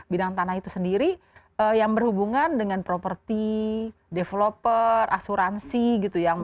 bidang tanah itu sendiri yang berhubungan dengan properti developer asuransi gitu ya